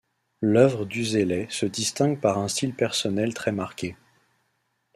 L'œuvre d'Uzelai se distingue par un style personnel très marqué.